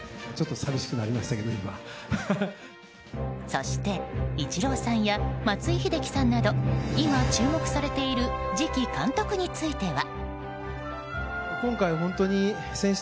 そして、イチローさんや松井秀喜さんなど今、注目されている次期監督については。